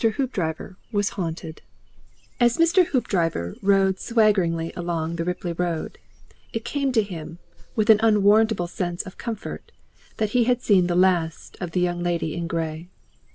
HOOPDRIVER WAS HAUNTED As Mr. Hoopdriver rode swaggering along the Ripley road, it came to him, with an unwarrantable sense of comfort, that he had seen the last of the Young Lady in Grey.